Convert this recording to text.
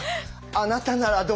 あなたならどうする？